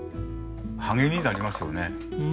励みになりますよね。